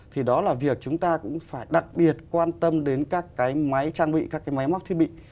thì đó là việc chúng ta cũng phải đặc biệt quan tâm đến các cái máy trang bị các cái máy móc thiết bị